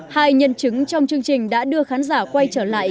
hai nhân chứng trong chương trình đã đưa khán giả quay trở lại